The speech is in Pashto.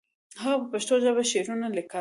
هغه په پښتو ژبه شعرونه لیکل.